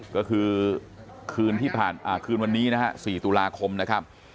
ก็คือคืนที่ผ่านคืนวันนี้นะฮะ๔ตุลาคมนะครับ